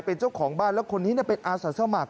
เป็นเจ้าของบ้านแล้วคนนี้เป็นอาสาสมัคร